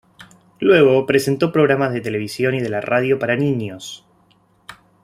Luego, presentó programas de televisión y de la radio para niños.